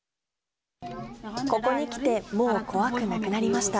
ここに来て、もう怖くなくなりました。